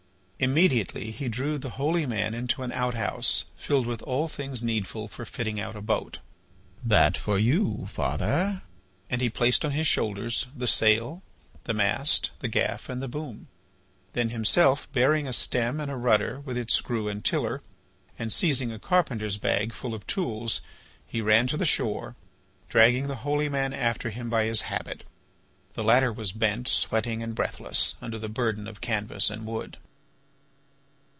Immediately he drew the holy man into an outhouse filled with all things needful for fitting out a boat. "That for you, father!" And he placed on his shoulders the sail, the mast, the gaff, and the boom. Then, himself bearing a stem and a rudder with its screw and tiller, and seizing a carpenter's bag full of tools, he ran to the shore, dragging the holy man after him by his habit. The latter was bent, sweating, and breathless, under the burden of canvas and wood.